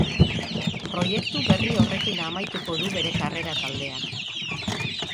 Proiektu berri horrekin amaituko du bere karrera taldeak.